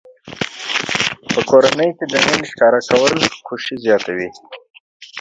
په کورنۍ کې د مینې ښکاره کول خوښي زیاتوي.